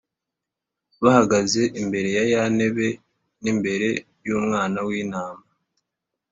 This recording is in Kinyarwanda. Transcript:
bahagaze imbere ya ya ntebe n’imbere y’Umwana w’Intama,